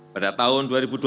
pada tahun dua ribu dua puluh